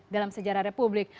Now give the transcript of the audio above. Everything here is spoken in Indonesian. dalam sejarah republik